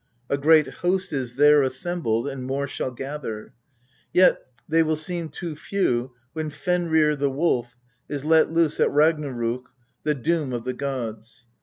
A great host is there assembled, and more shall gather ; yet they will seem too few when Fenrir, the Wolf, is let loose at Ragnarok, the Doom of the gods.